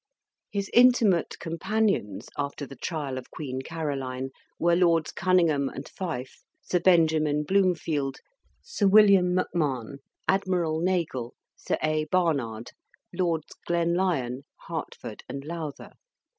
His intimate companions, after the trial of Queen Caroline, were Lords Cunningham and Fife, Sir Benjamin Bloomfield, Sir William Macmahon, Admiral Nagle, Sir A. Barnard, Lords Glenlyon, Hertford, and Lowther.